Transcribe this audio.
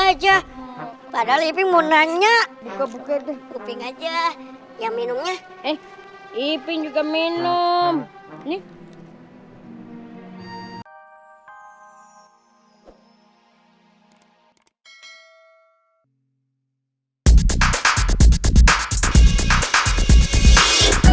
aja padahal ini mau nanya buka buka aja yang minumnya ipin juga minum nih